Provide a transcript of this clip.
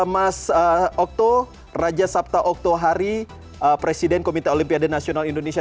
mas okto raja sabta oktohari presiden komite olimpiade nasional indonesia